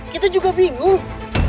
kita juga bingung